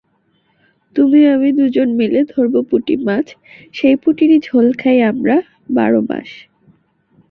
তুমি আমি দুজন মিলে ধরব পুঁটি মাছসেই পুঁটিরই ঝোল খাই আমরা বারো মাস।